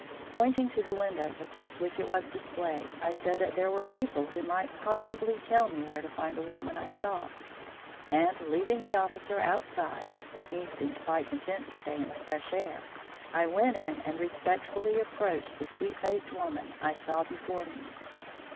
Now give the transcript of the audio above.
Pointing to the windows across which it was displayed, I said that here were people who might possibly tell me where to find the woman I sought, and, leaving the officer outside, he seemed quite content to stay in the fresh air, I went in and respectfully approached the sweet faced woman I saw before me.